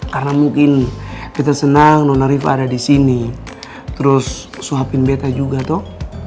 karena mungkin betta senang nona riva ada disini terus suapin betta juga toh